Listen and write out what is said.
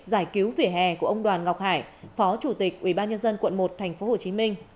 giải cứu vỉa hè của ông đoàn ngọc hải phó chủ tịch ubnd quận một tp hcm